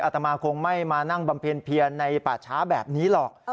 ตมาคงไม่มานั่งบำเพ็ญเพียนในป่าช้าแบบนี้หรอก